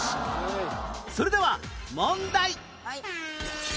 それでは問題